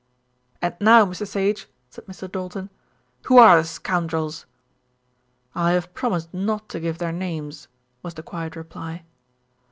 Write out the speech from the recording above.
"And now, Mr. Sage," said Mr. Doulton, "who are the scroundrels?" "I have promised not to give their names," was the quiet reply.